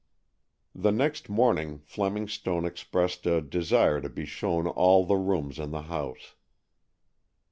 The next morning Fleming Stone expressed a desire to be shown all the rooms in the house.